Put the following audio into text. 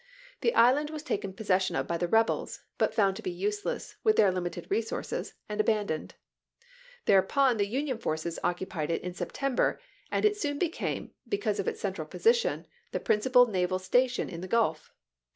The island was taken possession of by the rebels, but found to be useless, with their limited resources, and abandoned. Thereupon the Union forces occu pied it in September, and it soon became, because of its central position, the principal naval station in the Gulf.